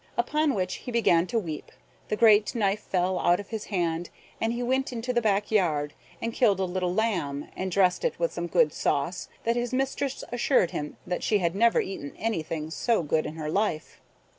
Upon which he began to weep, the great knife fell out of his hand, and he went into the back yard, and killed a little lamb, and dressed it with such good sauce that his mistress assured him that she had never eaten anything so good in her life.